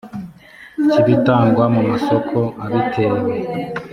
cy ibitangwa mu masoko abitewe